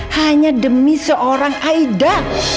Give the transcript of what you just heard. hanya demi seorang aida